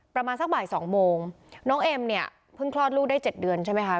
ประมาณสักบ่ายสองโมงน้องเอ็มเนี่ยเพิ่งคลอดลูกได้เจ็ดเดือนใช่ไหมคะ